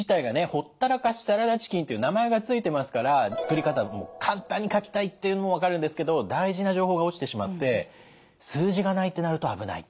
ほったらかしサラダチキンという名前が付いてますから作り方も簡単に書きたいっていうのも分かるんですけど大事な情報が落ちてしまって数字がないってなると危ない。